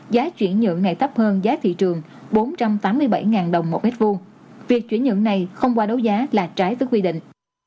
giá chuyển nhượng này tấp hơn giá thị trường bốn trăm tám mươi bảy đồng một m hai việc chuyển nhượng này không qua đấu giá là trái tức quy định